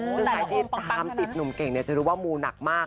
ซึ่งใครที่ตามติดหนุ่มเก่งจะรู้ว่ามูหนักมาก